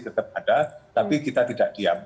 tetap ada tapi kita tidak diam